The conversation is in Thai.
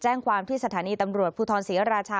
แจ้งความที่สถานีตำรวจภูทรศรีราชา